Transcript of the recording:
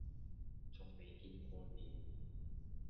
仲未見過面